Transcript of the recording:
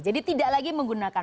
jadi tidak lagi menggunakan